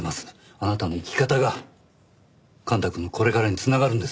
あなたの生き方が幹太くんのこれからに繋がるんです。